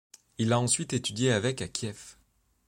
Il a ensuite étudié avec à Kiev.